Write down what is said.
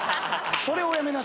それをやめなさ